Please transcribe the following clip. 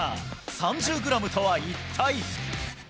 ３０グラムとは一体。